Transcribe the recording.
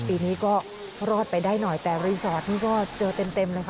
ปีนี้ก็รอดไปได้หน่อยแต่รีสอร์ทนี่ก็เจอเต็มนะคะ